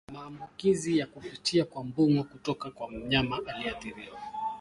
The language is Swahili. maambukizi ya kupitia kwa mbungo kutoka kwa mnyama aliyeathiriwa